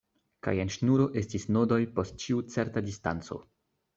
Kaj en ŝnuro estis nodoj post ĉiu certa distanco.